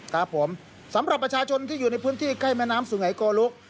ครับผมสำหรับประชาชนที่อยู่ในพื้นที่ใกล้แม่น้ำสุงัยโกลก